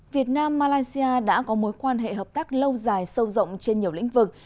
việt nam malaysia đã có mối quan hệ hợp tác lâu dài sâu rộng trên nhiều lĩnh vực